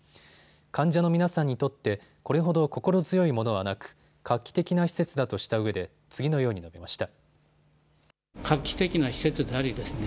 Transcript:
患者の皆さんにとってこれほど心強いものはなく画期的な施設だとしたうえで次のように述べました。